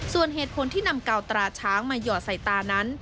ส่วนเหตุผลที่นำเก่าตราช้างมาหยอดใส่ตานั้น